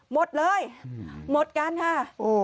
หมดหมดขายแล้วหมด